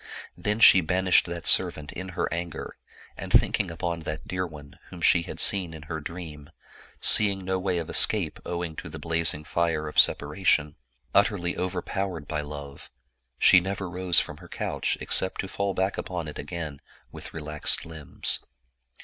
Then she banished that servant in her anger, and thinking upon that dear one, whom she had seen in her dream, seeing no way of escape owing to the blazing fire of separation, utterly overpowered by love, she never rose from her couch except to fall back upon it again with relaxed limbs.